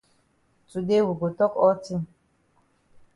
Today we go tok all tin.